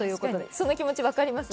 その気持ち、分かりますね。